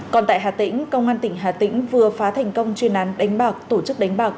còn tại hà tĩnh công an tỉnh hà tĩnh vừa phá thành công chuyên án đánh bạc tổ chức đánh bạc